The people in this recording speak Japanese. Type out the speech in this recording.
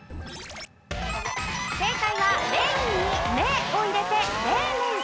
正解はレインに「メ」を入れてレイメン。